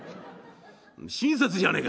「親切じゃねえか」。